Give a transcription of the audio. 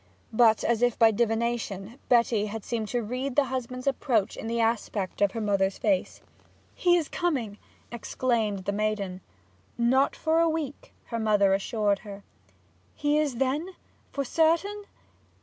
But, as if by divination, Betty had seemed to read the husband's approach in the aspect of her mother's face. 'He is coming!' exclaimed the maiden. 'Not for a week,' her mother assured her. 'He is then for certain?'